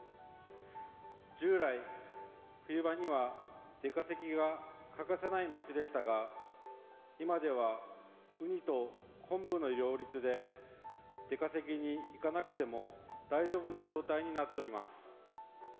従来、冬場には出稼ぎが欠かせない町でしたが今ではウニとコンブの両立で出稼ぎに行かなくても大丈夫な状態になっています。